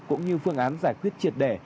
cũng như phương án giải quyết triệt đẻ